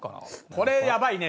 これやばいね。